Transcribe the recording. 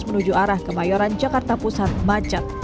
menuju arah kemayoran jakarta pusat macet